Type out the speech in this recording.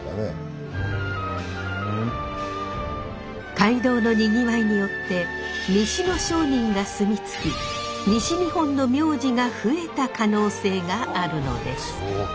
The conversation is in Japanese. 街道のにぎわいによって西の商人が住み着き西日本の名字が増えた可能性があるのです。